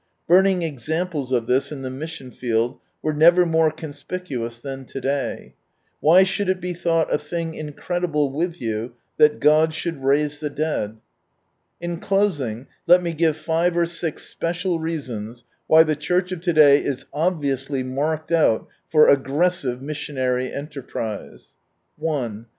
Burning examples of this in the Mission field were never more conspicuous than to day, " Why should it be thought a thing incredible with you that God should raise the dead f "' In closing, let me give five or six special reasons why the Church of to day is obviously marked out for aggressive missionary enterprise :— 1.